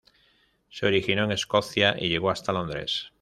Se originó en Escocia, y llegó hasta Londres.